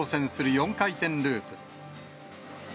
４回転ループ。